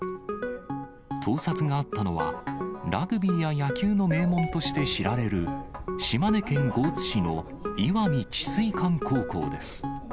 盗撮があったのは、ラグビーや野球の名門として知られる島根県江津市の石見智翠館高校です。